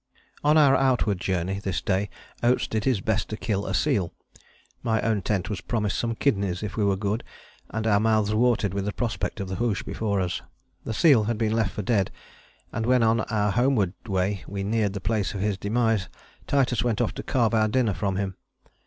On our outward journey this day Oates did his best to kill a seal. My own tent was promised some kidneys if we were good, and our mouths watered with the prospect of the hoosh before us. The seal had been left for dead, and when on our homeward way we neared the place of his demise Titus went off to carve our dinner from him.